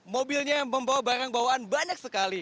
mobilnya membawa barang bawaan banyak sekali